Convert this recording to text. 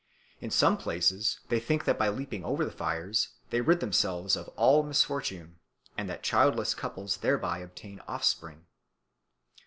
In some places they think that by leaping over the fires they rid themselves of all misfortune, and that childless couples thereby obtain offspring.